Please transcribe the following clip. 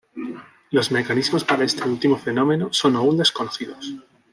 Los mecanismos para este último fenómeno son aún desconocidos.